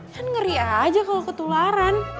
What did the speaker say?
kan ngeri aja kalau ketularan